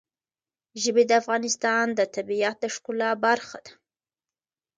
ژبې د افغانستان د طبیعت د ښکلا برخه ده.